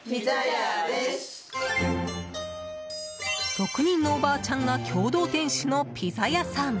６人のおばあちゃんが共同店主のピザ屋さん。